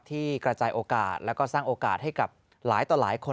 ที่กระจายโอกาสแล้วก็สร้างโอกาสให้กับหลายต่อหลายคน